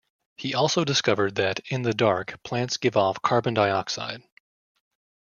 He also discovered that, in the dark, plants give off carbon dioxide.